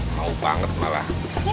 mau banget malah